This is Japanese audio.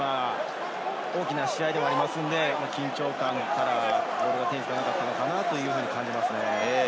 大きな試合でもありますので緊張感からボールが手につかなかったのかなというふうに感じます。